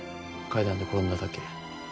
階段で転んだだけ。